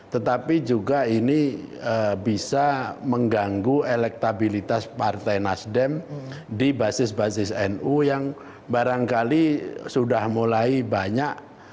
tetapi juga ini bisa mengganggu elektabilitas partai nasdem di basis basis nu yang barangkali sudah mulai banyak